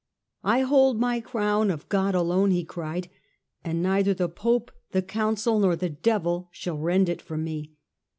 " I hold my crown of God alone," he cried, " and neither the Pope, the Council, nor the devil shall rend it from me.